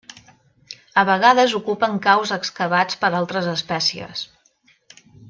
A vegades ocupen caus excavats per altres espècies.